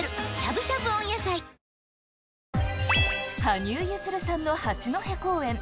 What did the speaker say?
羽生結弦さんの八戸公演。